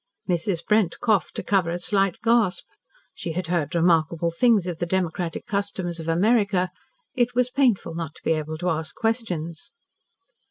Mrs. Brent coughed to cover a slight gasp. She had heard remarkable things of the democratic customs of America. It was painful not to be able to ask questions.